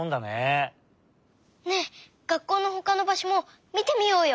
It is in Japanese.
ねえ学校のほかのばしょもみてみようよ！